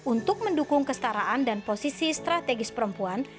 untuk mendukung kestaraan dan posisi strategis perempuan